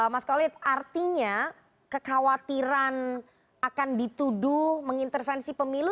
mas kolit artinya kekhawatiran akan dituduh mengintervensi pemilu